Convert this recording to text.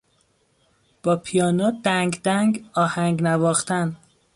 با پیانو دنگدنگ آهنگ نواختن